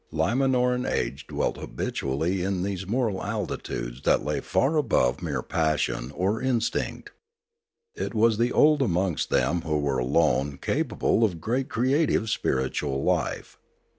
Limanoran age dwelt habitually in these moral altitudes that lay far above mere passion or in stinct. It was the old amongst them who were alone capable of great creative spiritual life.